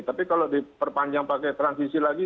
tapi kalau diperpanjang pakai transisi lagi